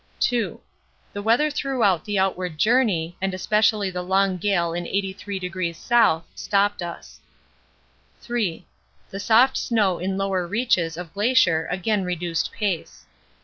2. The weather throughout the outward journey, and especially the long gale in 83° S., stopped us. 3. The soft snow in lower reaches of glacier again reduced pace.